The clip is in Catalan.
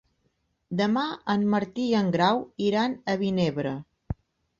Demà en Martí i en Grau iran a Vinebre.